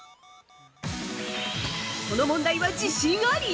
この問題は自信あり！？